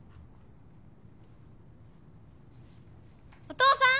お父さん！